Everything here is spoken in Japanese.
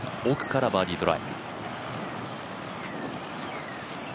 奥からバーディートライ。